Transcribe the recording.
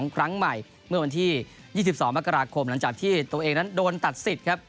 ครั้งใหม่เมื่อวันที่๒๒มกราคมหลังจากที่ตัวเองนั้นโดนตัดสิทธิ์ครับ